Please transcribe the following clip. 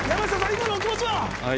今のお気持ちは？